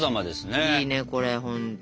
いいねこれほんと。